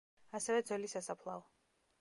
ასევე ძველი სასაფლაო.